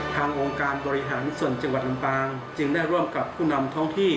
องค์การบริหารส่วนจังหวัดลำปางจึงได้ร่วมกับผู้นำท้องที่